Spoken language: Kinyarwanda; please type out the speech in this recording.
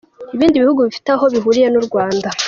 Ibindi bihugu bifite aho bihuriye n’u Rwanda .